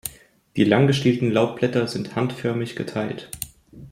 Die lang gestielten Laubblätter sind handförmig geteilt.